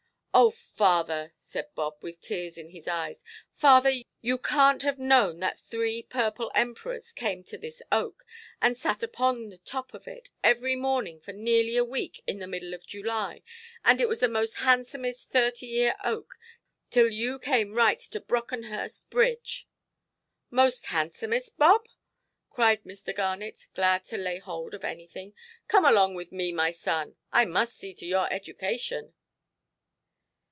"Oh, father", said Bob, with the tears in his eyes; "father, you canʼt have known that three purple emperors came to this oak, and sat upon the top of it, every morning for nearly a week, in the middle of July. And it was the most handsomest thirty–year oak till you come right to Brockenhurst bridge". "Most handsomest, Bob"! cried Mr. Garnet, glad to lay hold of anything; "come along with me, my son; I must see to your education".